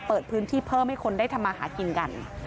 เปิดพื้นที่เพิ่มให้คนได้ทำมาหากินกัน